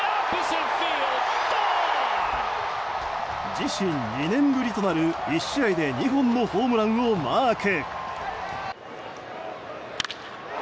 自身２年ぶりとなる１試合で２本のホームランをマーク。